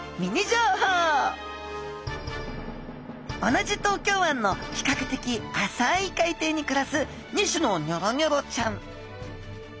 同じ東京湾の比較的浅い海底にくらす２種のニョロニョロちゃん。